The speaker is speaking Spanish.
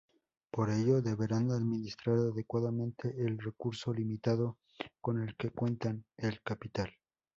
Por ello, deberán administrar adecuadamente el recurso limitado con el que cuentan: el capital.